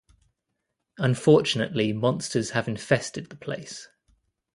Unfortunately, monsters have infested the place.